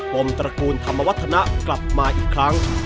มตระกูลธรรมวัฒนะกลับมาอีกครั้ง